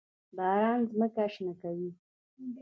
باران ځمکه شنه کوي.